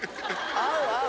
合う合う。